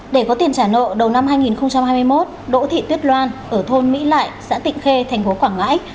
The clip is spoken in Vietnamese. để có tiền trả nợ vào đầu năm hai nghìn hai mươi một đỗ thị tuyết loan ở thôn mỹ lại xã tịnh khê tp quảng ngãi